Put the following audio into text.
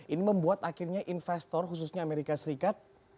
ini membuat akhirnya investor khususnya amerika serikat